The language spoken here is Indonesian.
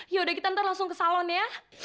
ya udah kita ntar langsung ke salon ya